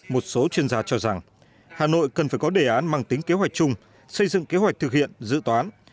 một số chuyên gia cho rằng hà nội cần phải có đề án mang tính kế hoạch chung xây dựng kế hoạch thực hiện dự toán